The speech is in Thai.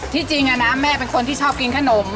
จริงนะแม่เป็นคนที่ชอบกินขนม